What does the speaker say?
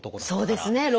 そうですね。